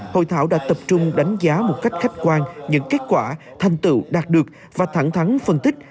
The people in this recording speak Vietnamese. hội thảo đã tập trung đánh giá một cách khách quan những kết quả thành tựu đạt được và thẳng thắng phân tích